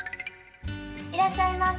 いらっしゃいませ。